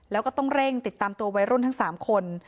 แล้วก็ต้องเร่งติดตามตัววัยรุ่นทั้ง๓คน